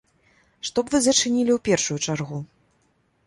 Што б вы зачынілі ў першую чаргу?